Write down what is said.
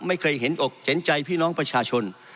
ไม่เคยเห็นอกเห็นใจพี่น้องประชาชน